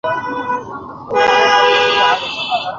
কোন একটা রাস্তা বের করে ফেলব।